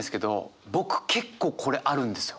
僕結構これあるんですよ。